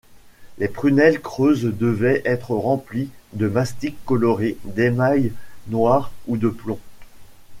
Les prunelles creuses devaient être remplies de mastic coloré, d'émail noir ou de plomb.